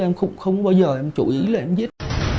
em không bao giờ em chú ý là em giết